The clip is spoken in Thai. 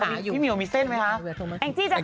พี่เหนียวมีเส้นไหมครับ